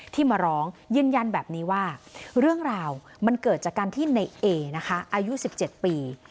ที่มาร้องยืนยันแบบนี้ว่าเรื่องราวมันเกิดจากการที่ในเอนะคะอายุ๑๗ปี